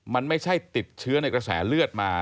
มันไม่ใช่ติดเชื้อในกระแสเลือดมา